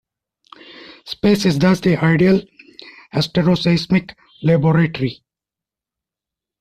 Space is thus the ideal asteroseismic laboratory.